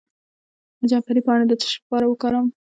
د جعفری پاڼې د څه لپاره وکاروم؟